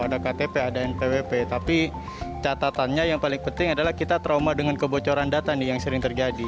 ada ktp ada npwp tapi catatannya yang paling penting adalah kita trauma dengan kebocoran data nih yang sering terjadi